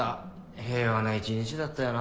平和な一日だったよな？